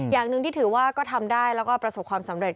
อย่างหนึ่งที่ถือว่าก็ทำได้แล้วก็ประสบความสำเร็จ